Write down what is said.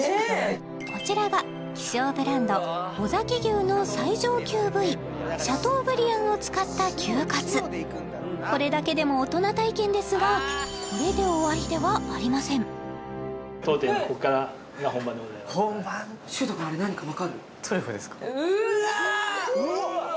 こちらが希少ブランド尾崎牛の最上級部位シャトーブリアンを使った牛かつこれだけでも大人体験ですがこれで終わりではありませんうわ